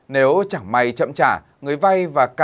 nếu chẳng may chậm trả người vay và cả người vay